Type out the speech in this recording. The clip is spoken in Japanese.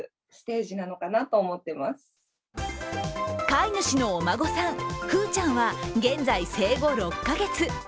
飼い主のお孫さん、ふーちゃんは現在生後６カ月。